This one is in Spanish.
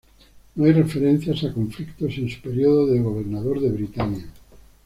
No hay referencias a conflictos en su período de gobernador de Britania.